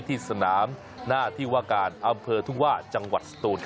ที่สนามหน้าที่ว่าการอำเภอทุ่งว่าจังหวัดสตูน